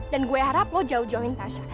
dan gue harap lo jauh jauhin tasya